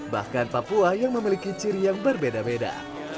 bahkan papua yang memiliki ciri yang berbeda beda